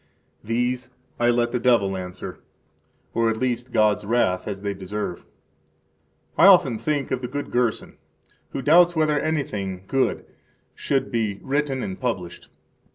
These I let the devil answer, or at last Gods wrath, as they deserve. 6 I often think of the good Gerson, who doubts whether anything good should be [written and] published.